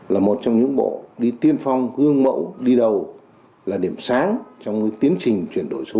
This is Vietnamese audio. là một trong những bộ đi tiên phong gương mẫu đi đầu là điểm sáng trong tiến trình chuyển đổi số